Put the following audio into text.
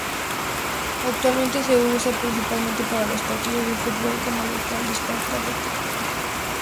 Actualmente se usa principalmente para los partidos de fútbol como local del Sparta Rotterdam.